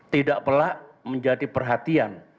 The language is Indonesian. tidak perlah menjadi perhatian